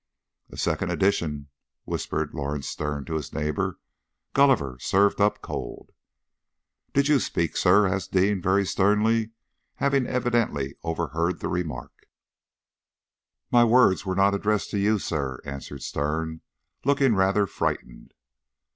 "A second edition," whispered Lawrence Sterne to his neighbour; "Gulliver served up cold." "Did you speak, sir?" asked the Dean very sternly, having evidently overheard the remark. "My words were not addressed to you, sir," answered Sterne, looking rather frightened.